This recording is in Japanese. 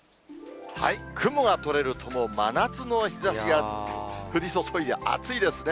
雲が取れると真夏の日ざしが降り注いで暑いですね。